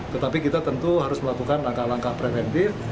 tetapi kita tentu harus melakukan langkah langkah preventif